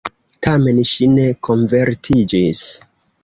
Tamen ŝi ne konvertiĝis.